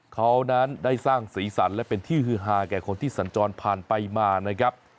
เขานั้นได้สร้างสีสันและเป็นที่ฮือฮาแก่คนที่สัญจรผ่านไปมานะครับ